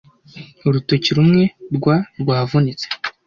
Urutoki rumwe rwa rwavunitse.